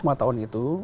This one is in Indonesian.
nah dalam prolegnas